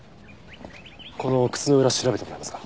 この靴の裏調べてもらえますか？